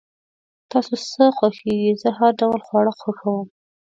تاسو څه خوښوئ؟ زه هر ډوله خواړه خوښوم